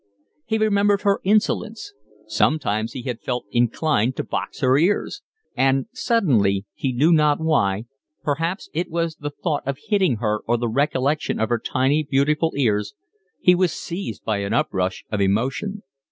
He remembered her insolence; sometimes he had felt inclined to box her ears; and suddenly, he knew not why, perhaps it was the thought of hitting her or the recollection of her tiny, beautiful ears, he was seized by an uprush of emotion.